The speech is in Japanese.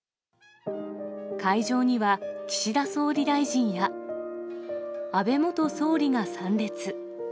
会場には、岸田総理大臣や安倍元総理が参列。